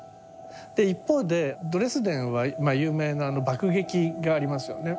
で一方でドレスデンは有名なあの爆撃がありますよね。